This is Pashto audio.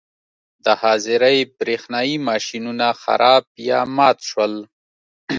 د حاضرۍ برېښنايي ماشینونه خراب یا مات شول.